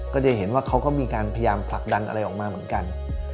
ก็จะเห็นว่าเขาก็มีการพยายามผลักดันอะไรออกมาเหมือนกัน